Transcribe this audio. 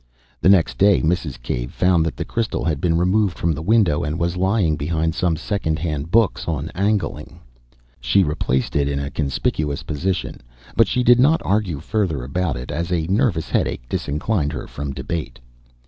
The next day Mrs. Cave found that the crystal had been removed from the window, and was lying behind some second hand books on angling. She replaced it in a conspicuous position. But she did not argue further about it, as a nervous headache disinclined her from debate. Mr.